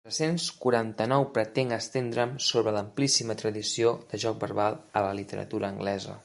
Quatre-cents quaranta-nou pretenc estendre'm sobre l'amplíssima tradició de joc verbal a la literatura anglesa.